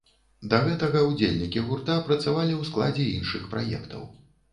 Да гэтага ўдзельнікі гурта працавалі ў складзе іншых праектаў.